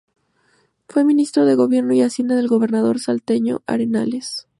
Fue ministro de gobierno y hacienda del gobernador salteño Arenales.